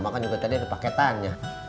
nanti udah ada paketannya